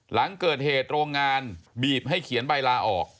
หลังเกิดเหตุโรงงานบีบให้เขียนใบลาออก